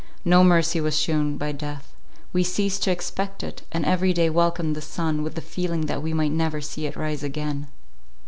No mercy was shewn by death; we ceased to expect it, and every day welcomed the sun with the feeling that we might never see it rise again.